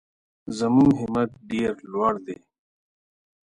زموږ همت ډېر لوړ دی.